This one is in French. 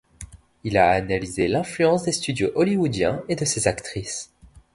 Il a analysé l'influence des studios Hollywoodiens et de ses actrices.